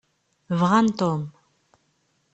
Bɣan Tom.